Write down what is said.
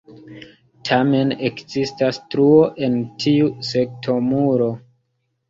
Tamen ekzistas truo en tiu sektomuro.